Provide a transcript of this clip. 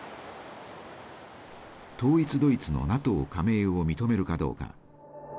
統一ドイツのＮＡＴＯ加盟を認めるかどうか。